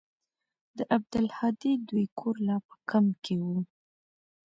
د عبدالهادي دوى کور لا په کمپ کښې و.